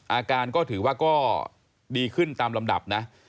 อาการก็ถือว่าก็ดีขึ้นตามลำดับนะ